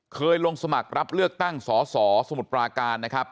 เคยลงสมัครรับเลือกตั้งสอสอสมุทรปราการนะครับ